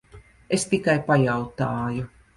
Es tikai pajautāju.